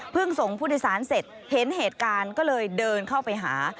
ส่งผู้โดยสารเสร็จเห็นเหตุการณ์ก็เลยเดินเข้าไปหา